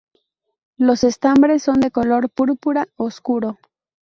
Los estambres son de color púrpura oscuro.